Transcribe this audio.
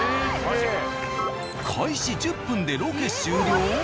開始１０分でロケ終了？